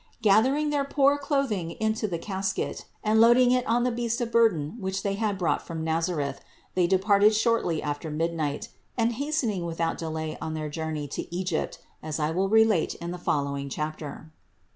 Gathering their poor clothing into the casket THE INCARNATION 523 and loading it on the beast of burden which they had brought from Nazareth, they departed shortly after mid night, and hastened without delay on their journey to Egypt, as I will relate in the following chapter.